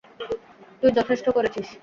তুই যথেষ্ট করেছিস।